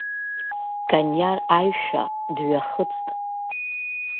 Кониар аишәа дҩахыҵт.